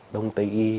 đông tây y